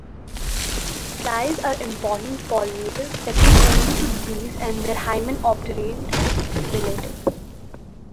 Flies are important pollinators, second only to the bees and their Hymenopteran relatives.